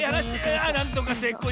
あなんとかせいこう。